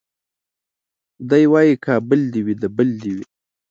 دی وايي کابل دي وي د بل دي وي